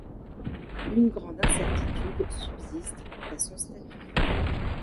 Une grande incertitude subsiste quant à son statut.